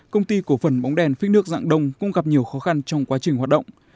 công ty cổ phần bóng đèn phích nước dạng đông cũng gặp nhiều khó khăn trong quá trình hoạt động